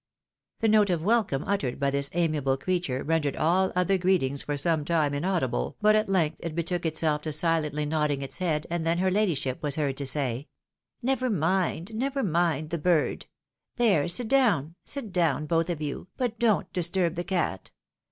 The note of welcome uttered by this amiable creature rendered all other greetings for some time inaudible, but at length it betook itself to silently nodding its head, and then her ladyship was heard to say, " Never mind, never mind the bird. There, sit down, sit down both of you, but don't disturb the cat.